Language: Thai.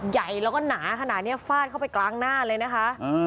ใหญ่แล้วก็หนาขนาดนี้ฟาดเข้าไปกลางหน้าเลยนะคะ